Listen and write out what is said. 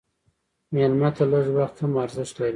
مېلمه ته لږ وخت هم ارزښت لري.